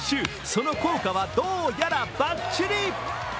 その効果はどうやらバッチリ。